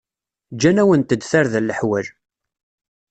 Ǧǧan-awent-d tarda leḥwal.